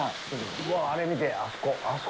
うわぁ、あれ、見て、あそこ。